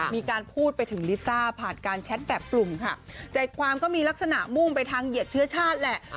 มีการพูดไปถึงลิซ่าผ่านการแชทแบบกลุ่มค่ะใจความก็มีลักษณะมุ่งไปทางเหยียดเชื้อชาติแหละ